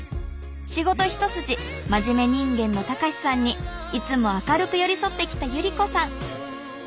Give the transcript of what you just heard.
仕事一筋真面目人間の隆さんにいつも明るく寄り添ってきた百合子さん。